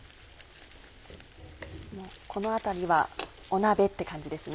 このあたりは鍋って感じですね。